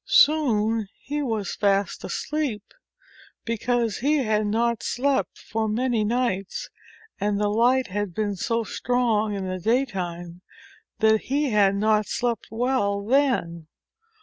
Soon he was fast asleep, because he had not slept for many nights, and the light had been so strong in the day time that he had not slept well then.